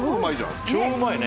超うまいね。